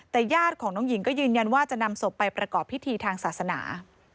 แต่ญาติของน้องหญิงก็ยืนยันว่าจะนำศพไปประกอบพิธีทางศาสนา